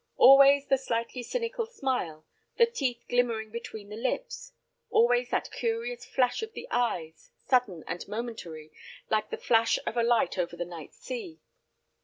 Always the slightly cynical smile, the teeth glimmering between the lips; always that curious flash of the eyes, sudden and momentary, like the flash of a light over the night sea.